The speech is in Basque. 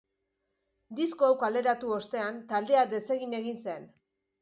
Disko hau kaleratu ostean taldea desegin egin zen.